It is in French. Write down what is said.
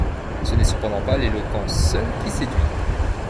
Ce n'est cependant pas l'éloquence seule qui séduit.